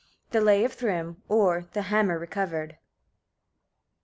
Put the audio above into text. ] THE LAY OF THRYM, OR THE HAMMER RECOVERED.